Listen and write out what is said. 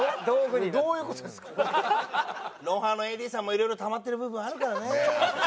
『ロンハー』のＡＤさんも色々たまってる部分あるからね。